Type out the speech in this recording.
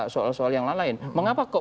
soal soal yang lain lain mengapa kok